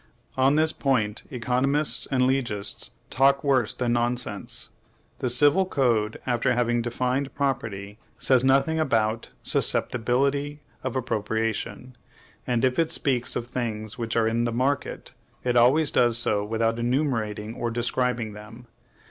On this point, economists and legists talk worse than nonsense. The Civil Code, after having defined property, says nothing about susceptibility of appropriation; and if it speaks of things which are in THE MARKET, it always does so without enumerating or describing them.